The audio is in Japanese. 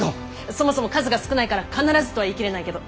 そもそも数が少ないから必ずとは言い切れないけど。